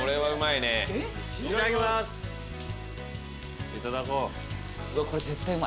いただこう。